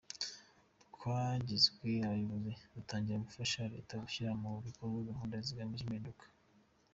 Twagizwe abayobozi dutangira gufasha leta gushyira mu bikorwa gahunda zigamije impinduka.